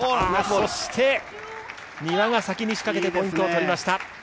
そして、丹羽が先に仕掛けてポイントを取りました。